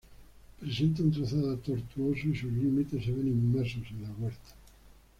Presenta un trazado tortuoso y sus límites se ven inmersos en la huerta.